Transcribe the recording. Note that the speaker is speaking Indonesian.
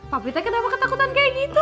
papi teh kenapa ketakutan kayak gitu